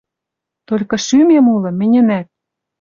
Толькы шӱмем улы мӹньӹнӓт...